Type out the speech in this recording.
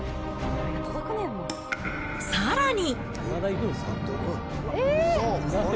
さらに。